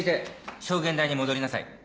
証言台に戻りなさい。